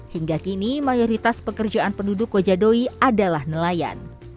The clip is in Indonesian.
hingga kini mayoritas pekerjaan penduduk kojadoi adalah nelayan